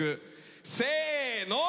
せの！